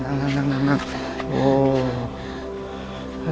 นั่งโห